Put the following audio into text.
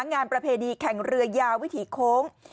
งานประเพณีแข่งเรือยาววิถีโค้ง